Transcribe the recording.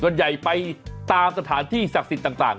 ส่วนใหญ่ไปตามสถานที่ศักดิ์สิทธิ์ต่าง